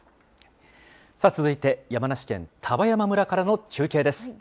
さあ、続いて山梨県丹波山村からの中継です。